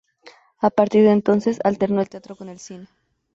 A partir de entonces alternó el teatro con el cine.